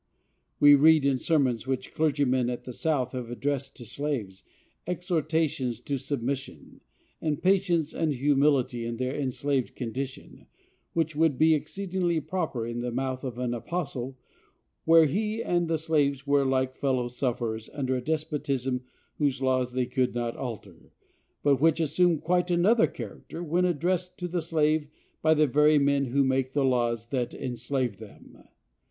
We read, in sermons which clergymen at the South have addressed to slaves, exhortations to submission, and patience, and humility, in their enslaved condition, which would be exceedingly proper in the mouth of an apostle, where he and the slaves were alike fellow sufferers under a despotism whose laws they could not alter, but which assume quite another character when addressed to the slave by the very men who make the laws that enslave them.